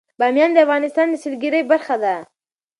بامیان د افغانستان د سیلګرۍ برخه ده.